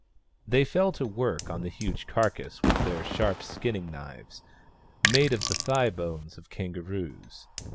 They fell to work on the huge carcass with their sharp skinning knives, made of the thigh bones of kangaroos.